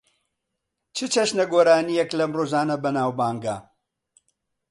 چ چەشنە گۆرانییەک لەم ڕۆژانە بەناوبانگە؟